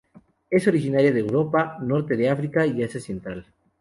Es originaria de Europa, Norte de África y Asia central.